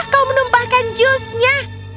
kau menumpahkan jusnya